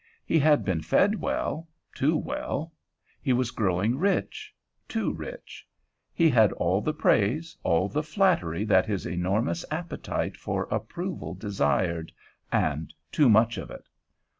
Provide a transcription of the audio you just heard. He had been fed well, too well; he was growing rich, too rich; he had all the praise, all the flattery that his enormous appetite for approval desired, and too much of it.